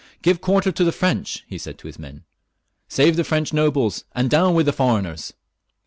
''Give quarter to the French," he said to his men; " save the French nobles, and down with the foreigners."